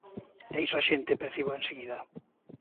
E iso a xente percíbeo enseguida.